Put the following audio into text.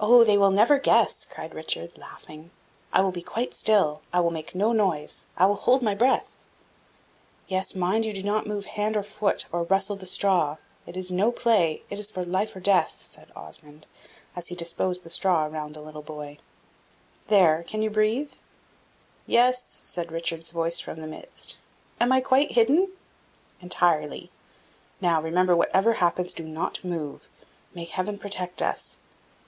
"Oh, they will never guess!" cried Richard, laughing. "I will be quite still I will make no noise I will hold my breath." "Yes, mind you do not move hand or foot, or rustle the straw. It is no play it is life or death," said Osmond, as he disposed the straw round the little boy. "There, can you breathe?" "Yes," said Richard's voice from the midst. "Am I quite hidden?" "Entirely. Now, remember, whatever happens, do not move. May Heaven protect us!